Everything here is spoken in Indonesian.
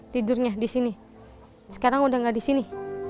tidurnya di sini sekarang udah gak di sini